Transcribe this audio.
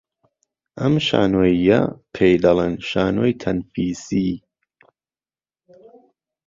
ئەم شانۆییە پێی دەڵێن شانۆی تەنفیسی